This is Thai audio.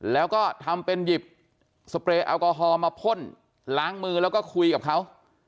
แล้วก็ทำเป็นหยิบสเปรย์แอลกอฮอล์มาพ่นล้างมือแล้วก็คุยกับเขา